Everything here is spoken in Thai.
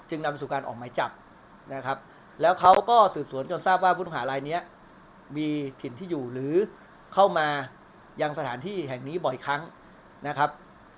นำไปสู่การออกหมายจับนะครับแล้วเขาก็สืบสวนจนทราบว่าผู้ต้องหารายนี้มีถิ่นที่อยู่หรือเข้ามายังสถานที่แห่งนี้บ่อยครั้งนะครับ